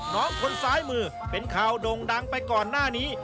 น้องคนซ้ายมือเป็นข่าวโด่งดังไปก่อนหน้านี้